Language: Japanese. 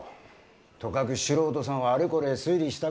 とかく素人さんはあれこれ推理したがるもんや。